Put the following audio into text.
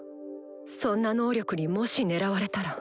そんな能力にもし狙われたら。